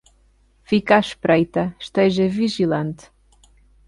Fique à espreita, esteja vigilante